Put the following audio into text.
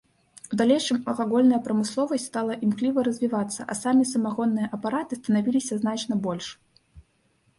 У далейшым алкагольная прамысловасць стала імкліва развівацца, а самі самагонныя апараты станавіліся значна больш.